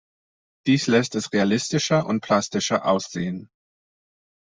Dies lässt es realistischer und plastischer aussehen.